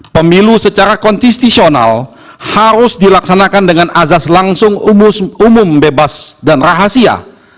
pemilu secara konstitusional harus dilaksanakan dengan azas langsung umum bebas dan rahasia